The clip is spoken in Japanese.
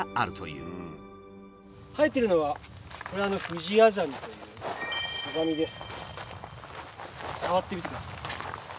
生えてるのはこれフジアザミというアザミです。